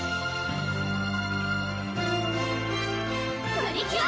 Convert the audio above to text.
プリキュア！